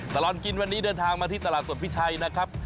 ตลอดกินวันนี้เดินทางมาที่ตลาดสดพิชัยนะครับ